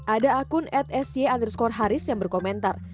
ada akun at sy underscore haris yang berkomentar